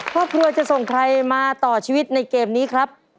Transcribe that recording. ครอบครัวจะส่งใครมาต่อชีวิตในเกมนี้ครับ